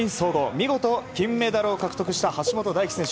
見事、金メダルを獲得した橋本大輝選手。